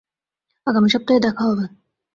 আগামী সপ্তাহে দেখা হবে।